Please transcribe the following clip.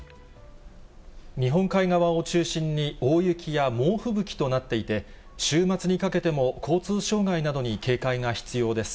日本海側を中心に大雪や猛吹雪となっていて、週末にかけても交通障害などに警戒が必要です。